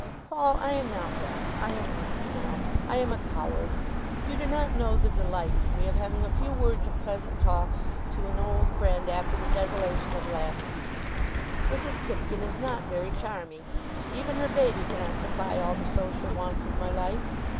"Paul, I am not well; I am weak now. I am a coward. You do not know the delight to me of having a few words of pleasant talk to an old friend after the desolation of the last weeks. Mrs. Pipkin is not very charming. Even her baby cannot supply all the social wants of my life.